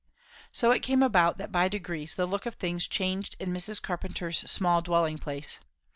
So it came about, that by degrees the look of things changed in Mrs. Carpenter's small dwelling place.